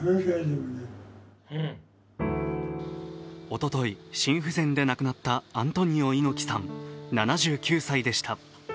おととい心不全で亡くなったアントニオ猪木さん、７９歳でした。